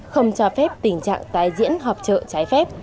không cho phép tình trạng tái diễn họp trợ trái phép